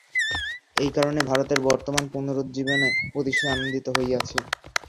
এই কারণে ভারতের বর্তমান পুনরুজ্জীবনে অতিশয় আনন্দিত হইয়াছি।